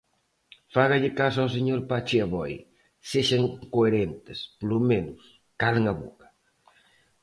Fágalle caso ao señor Pachi Aboi, sexan coherentes; polo menos, calen a boca.